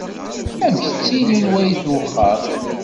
Amek ttilin wayt uxxam?